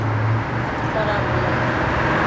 atoda bune?